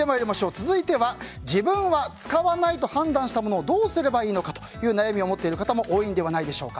続いては自分は使わないと判断したものをどうすればいいのかという悩みを持っている方も多いのではないでしょうか。